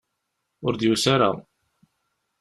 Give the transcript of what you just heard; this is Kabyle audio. Ur d-yusi ara.